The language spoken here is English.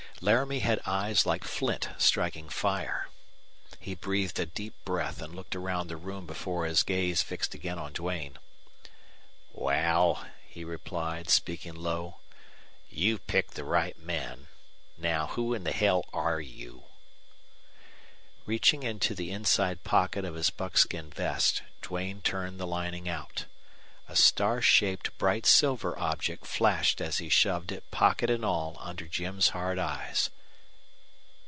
Laramie had eyes like flint striking fire. He breathed a deep breath and looked around the room before his gaze fixed again on Duane. "Wal," he replied, speaking low. "You've picked the right men. Now, who in the hell are you?" Reaching into the inside pocket of his buckskin vest, Duane turned the lining out. A star shaped bright silver object flashed as he shoved it, pocket and all, under Jim's hard eyes.